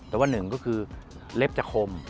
แต่ว่าหนึ่งก็คือเล็บจะคม